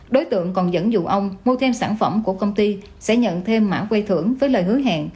đối tượng còn dẫn dụ ông mua thêm sản phẩm của công ty sẽ nhận thêm mã quây thưởng với lời hứa hẹn